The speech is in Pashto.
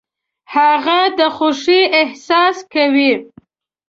هغه د خوښۍ احساس کوي .